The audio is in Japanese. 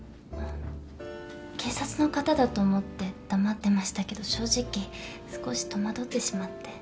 警察の方だと思って黙ってましたけど正直少し戸惑ってしまって。